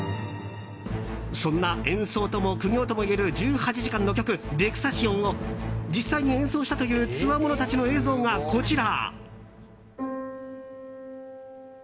そんな演奏とも、苦行ともいえる１８時間の曲「ヴェクサシオン」を実際に演奏したというつわものたちの映像がこちら。